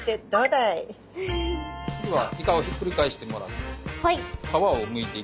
次はイカをひっくり返してもらって。